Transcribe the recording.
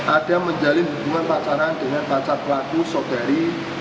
ada menjalin hubungan pacaran dengan pacar pelaku saudari